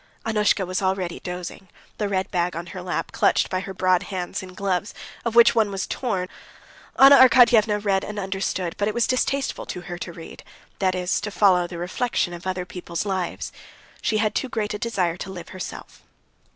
Annushka was already dozing, the red bag on her lap, clutched by her broad hands, in gloves, of which one was torn. Anna Arkadyevna read and understood, but it was distasteful to her to read, that is, to follow the reflection of other people's lives. She had too great a desire to live herself.